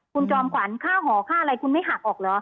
คุณจอมขวัญค่าหอค่าอะไรคุณไม่หักออกเหรอ